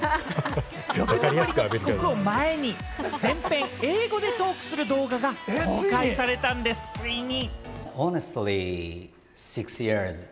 ６年ぶりの帰国を前に、全編英語でトークする動画が公開されたんです、ついに。